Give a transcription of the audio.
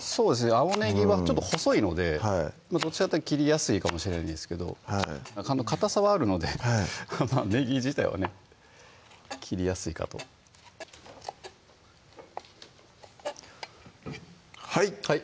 青ねぎは細いのでどっちかというと切りやすいかもしれないんですがかたさはあるのでねぎ自体はね切りやすいかとはい！